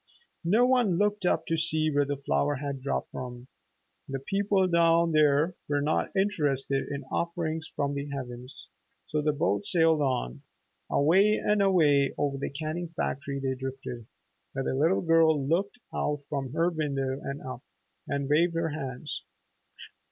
No one looked up to see where the flower had dropped from. The people down there were not interested in offerings from the heavens. So the boat sailed on. Away and away over the canning factory they drifted, where the little girl looked out from her window and up, and waved her hands.